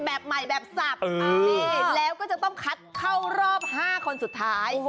แบบใหม่แบบสับแล้วก็จะต้องคัดเข้ารอบ๕คนสุดท้าย